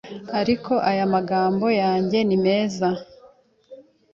Ariko aya magambo yanjye ni meza,